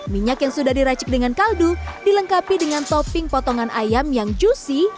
minyak yang sudah diracik dengan kaldu dilengkapi dengan topping potongan ayam yang juicy